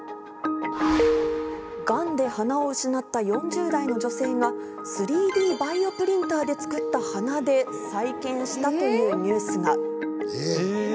ガンで鼻を失った４０代の女性が３Ｄバイオプリンターで作った鼻で再建したというニュースが。